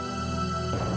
bapak suka ya